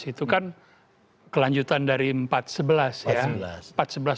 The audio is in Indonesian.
dua ratus dua belas itu kan kelanjutan dari empat ratus sebelas ya